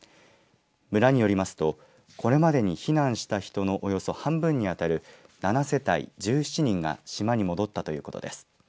村によりますと、これまでに避難した人のおよそ半分にあたる７世帯１７人が島に戻ったということです。